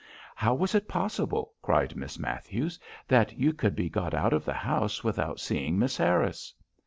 "How was it possible," cried Miss Matthews, "that you could be got out of the house without seeing Miss Harris?"